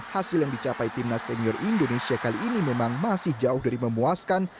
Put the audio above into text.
hasil yang dicapai timnas senior indonesia kali ini memang masih jauh dari memuaskan